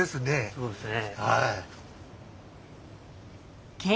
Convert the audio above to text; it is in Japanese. そうですね。